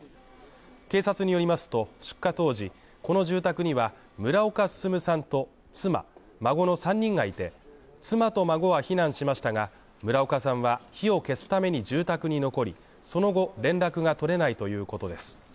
警察によりますと、出火当時、この住宅には、村岡進さんと妻、孫の３人がいて、妻と孫は避難しましたが、村岡さんは火を消すために住宅に残り、その後連絡が取れないということです。